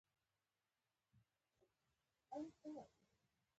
انسان کولي شي بل انسان وژغوري